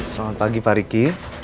selamat pagi pak riki